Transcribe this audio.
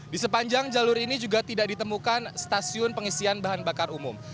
di sepanjang jalur ini juga tidak ditemukan stasiun pengisian bahan bakar umum